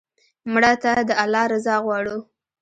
مړه ته د الله رضا غواړو